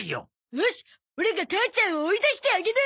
よしオラが母ちゃんを追い出してあげる。